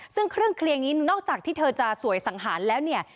ซึ่งเครื่องเคลียงนี้นอกจากที่เธอจะสวยสังหารแล้วเนี่ย